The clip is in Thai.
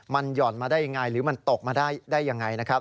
มันหย่อนมาได้ยังไงหรือมันตกมาได้ยังไงนะครับ